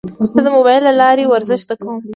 زه د موبایل له لارې ورزش زده کوم.